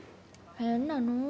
変なの。